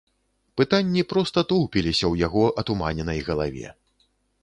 Пытанні проста тоўпіліся ў яго атуманенай галаве.